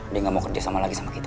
dia gak mau kerja sama lagi sama kita